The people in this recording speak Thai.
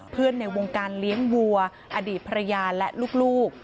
ในวงการเลี้ยงวัวอดีตภรรยาและลูก